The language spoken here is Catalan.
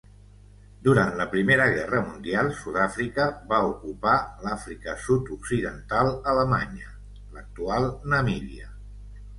Durant la Primera Guerra Mundial, Sud-àfrica va ocupar l'Àfrica Sud-occidental alemanya, l'actual Namíbia.